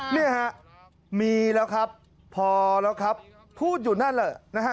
เนี่ยฮะมีแล้วครับพอแล้วครับพูดอยู่นั่นแหละนะฮะ